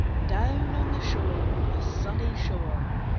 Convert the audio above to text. I. DOWN on the shore, on the sunny shore!